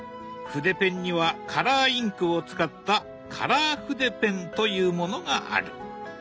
筆ペンにはカラーインクを使った「カラー筆ペン」というものがある。